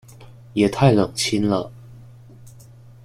也太冷清了